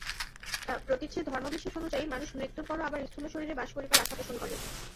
প্রতীচ্যের ধর্মবিশ্বাস অনুযায়ী মানুষ মৃত্যুর পরও আবার স্থূল শরীরে বাস করিবার আশা পোষণ করে।